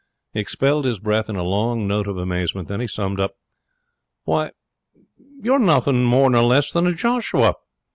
He expelled his breath in a long note of amazement. Then he summed up. 'Why you're nothing more nor less than a Joshua!'